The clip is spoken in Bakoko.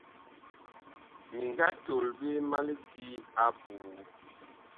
Mi nga tol ɓe ma lidi apuu.